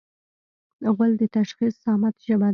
غول د تشخیص صامت ژبه ده.